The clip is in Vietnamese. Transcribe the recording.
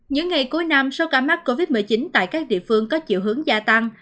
những ngày cuối năm số ca mắc covid một mươi chín tại các địa phương có chiều hướng gia tăng